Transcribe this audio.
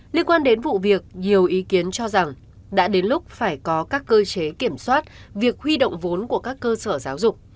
liên quan đến vụ việc nhiều ý kiến cho rằng đã đến lúc phải có các cơ chế kiểm soát việc huy động vốn của các cơ sở giáo dục